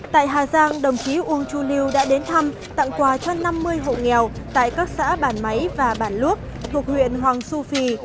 tại hà giang đồng chí uông chu lưu đã đến thăm tặng quà cho năm mươi hộ nghèo tại các xã bản máy và bản luốc thuộc huyện hoàng su phi